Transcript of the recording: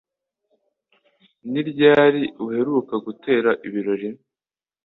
Ni ryari uheruka gutera ibirori